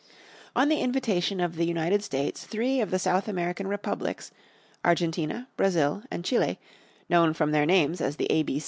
On the invitation of the United States three of the South American republics, Argentina, Brazil, and Chile, known from their names as the A.